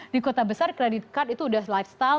di kota besar kredit card itu udah lifestyle